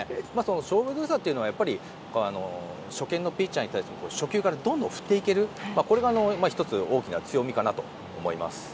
勝負強さというのは初見のピッチャーに対して初級からどんどん振っていけるこれが１つ、大きな強みかなと思います。